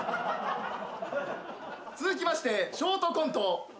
続きましてショートコント。